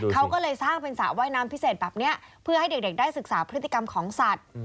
เขาก็เลยสร้างเป็นสระว่ายน้ำพิเศษแบบนี้เพื่อให้เด็กได้ศึกษาพฤติกรรมของสัตว์